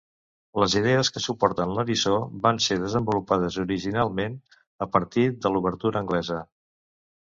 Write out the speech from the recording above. Les idees que suporten l'eriçó van ser desenvolupades originalment a partir de l'obertura anglesa.